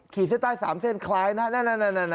เส้นใต้๓เส้นคล้ายนะนั่น